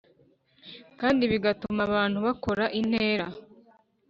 kandi bigatuma abantu bakora intera